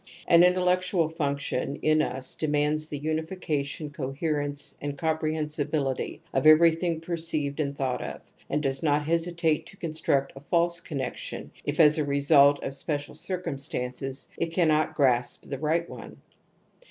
An in f^ellectual function in us demands the unifica \j i tion, coherence and comprehensibility of every A I thing perceived and thought of, and does not /\ Ihesitate to construct a false connexion if, as a Result of special circumstances, it cannot grasp \the right one.